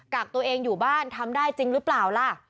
กักตัวเองอยู่บ้านทำได้จริงหรือเปล่าล่ะ